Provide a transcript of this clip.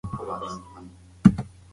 ارستو شعر د زړه هیجان راوړي ګڼي.